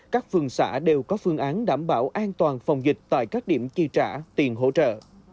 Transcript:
các phường xã đều có phương án đảm bảo an toàn phòng dịch tại các điểm chi trả tiền hỗ trợ